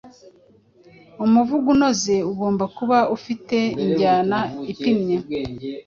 Umuvugo unoze ugomba kuba ufite injyana ipimye,